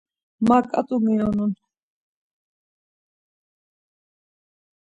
Ma ǩat̆u miyonun.